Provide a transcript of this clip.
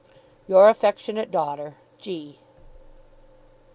Your affectionate daughter, G.